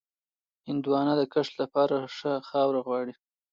هندوانه د کښت لپاره ښه خاوره غواړي.